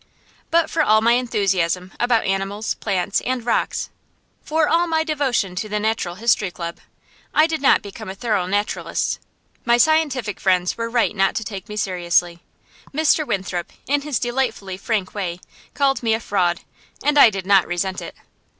But for all my enthusiasm about animals, plants, and rocks, for all my devotion to the Natural History Club, I did not become a thorough naturalist. My scientific friends were right not to take me seriously. Mr. Winthrop, in his delightfully frank way, called me a fraud; and I did not resent it.